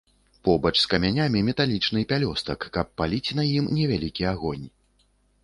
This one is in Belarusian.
Побач з камянямі металічны пялёстак, каб паліць на ім невялікі агонь.